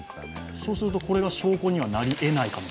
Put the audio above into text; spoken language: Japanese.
そうするとこれが証拠にはなりえない感じ？